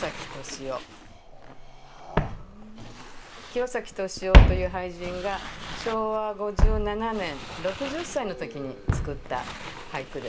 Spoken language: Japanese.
清崎敏郎という俳人が昭和５７年６０歳の時に作った俳句です。